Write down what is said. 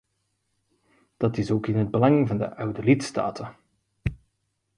Dat is ook in het belang van de oude lidstaten.